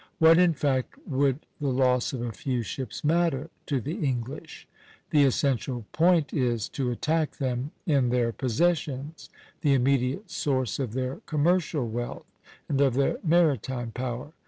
What in fact would the loss of a few ships matter to the English? The essential point is to attack them in their possessions, the immediate source of their commercial wealth and of their maritime power.